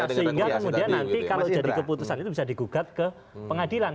sehingga kemudian nanti kalau jadi keputusan itu bisa digugat ke pengadilan